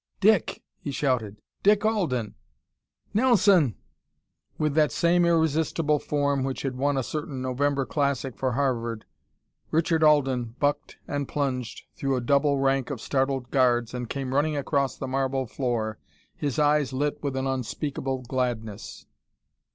"Dick!" he shouted. "Dick Alden!" "Nelson!" With that same irresistible form which had won a certain November classic for Harvard, Richard Alden bucked and plunged through a double rank of startled guards and came running across the marble floor, his eyes lit with an unspeakable gladness.